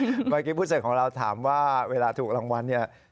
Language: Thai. เมื่อผู้เสร็จของเราถามว่าเวลาถูกรางวัลเนี่ย